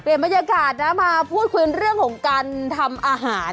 บรรยากาศนะมาพูดคุยเรื่องของการทำอาหาร